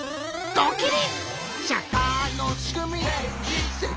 ドキリ！